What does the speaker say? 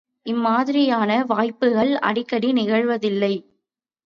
இம்மாதிரியான வாய்ப்புக்கள் அடிக்கடி நிகழ்வதில்லை.